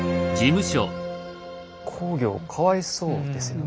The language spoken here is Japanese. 公暁かわいそうですよね。